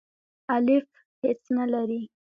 الیف هیڅ نه لری.